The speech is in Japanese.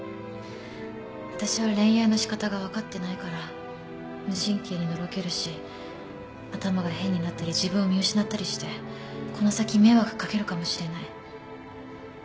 私は恋愛のしかたがわかってないから無神経にのろけるし頭が変になったり自分を見失ったりしてこの先迷惑かけるかもしれない。